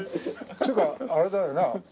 つうかあれだよな。